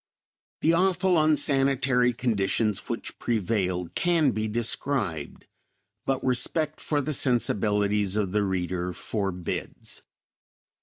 The awful unsanitary conditions which prevailed can be described, but respect for the sensibilities of the reader forbids.